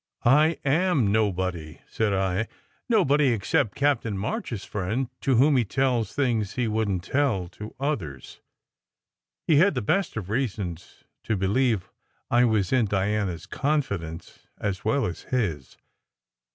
"I am nobody," said I, "nobody except Captain SECRET HISTORY 103 March s friend, to whom he tells things he wouldn t tell to others. He had the best of reasons to believe I was in Diana s confidence, as well as his.